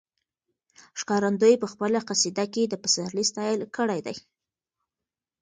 ښکارندوی په خپله قصیده کې د پسرلي ستایل کړي دي.